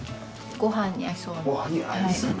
ご飯に合いそうな。